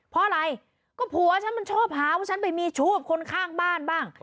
เพราะอะไรก็ผัวฉันมันชอบหาว่าฉันไปมีชู้กับคนข้างบ้านบ้าง